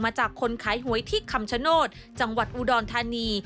จากคนขายหวยที่คำชโนธจังหวัดอุดรธานี